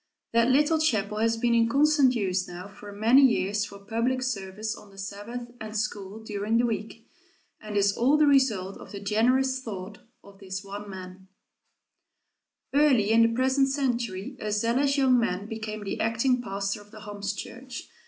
That little chapel has been in constant use now for many years for public service on the Sabbath and school during the week, and is all the result of the generous thought of this one man. [Illustration: HOMS Boys' School] Early in the present century a zealous young man became the acting pastor of the Homs church.